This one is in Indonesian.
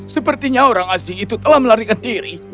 sepertinya orang asing itu telah melarikan diri